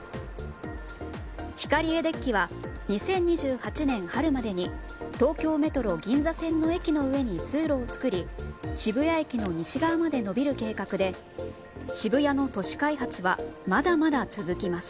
ヒカリエデッキは２０２８年春までに東京メトロ銀座線の駅の上に通路を作り渋谷駅の西側まで延びる計画で渋谷の都市開発はまだまだ続きます。